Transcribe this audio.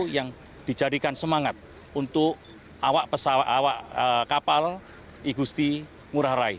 yang dijadikan semangat untuk awak kapal igusti ngurah rai tiga ratus tiga puluh dua